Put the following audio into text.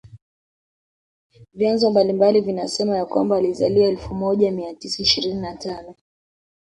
Vyanzo mbalimbali vinasema ya kwamba alizaliwa elfu moja mia tisa ishirini na tano